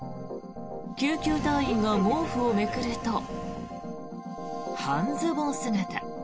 救急隊員が毛布をめくると半ズボン姿。